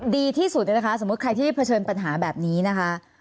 ดีที่สุดเนี่ยนะคะสมมุติใครที่ได้เผชิญปัญหาแบบนี้นะคะ